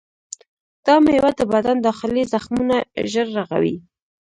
دا میوه د بدن داخلي زخمونه ژر رغوي.